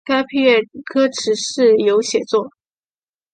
该配乐歌词是由写作。